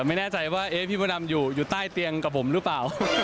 ไม่แน่ใจว่าพี่มดดำอยู่ใต้เตียงกับผมหรือเปล่า